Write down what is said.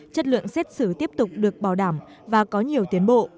chất lượng xét xử tiếp tục được bảo đảm và có nhiều tiến bộ